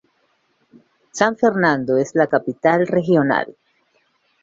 San Fernando es la capital regional.